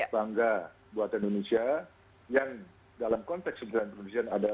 bangga buat indonesia yang dalam konteks pemerintah indonesia